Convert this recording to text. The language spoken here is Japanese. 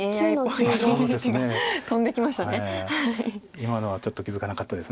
今のはちょっと気付かなかったです。